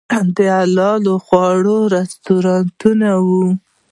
د حلال خواړو رستورانت و.